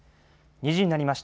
２時になりました。